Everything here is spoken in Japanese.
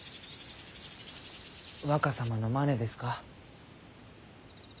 若様のマネですか？